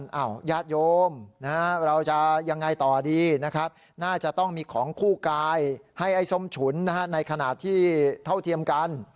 ญาติโยมเราจะยังไงต่อดีนะครับน่าจะต้องมีของคู่กายให้ไอ้ส้มฉุนในขณะที่เท่าเทียมกัน